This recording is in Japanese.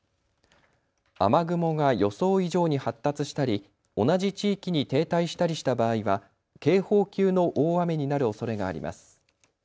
雨雲が予想以上に発達したり同じ地域に停滞したりした場合は警報級の大雨になるおそれがあります。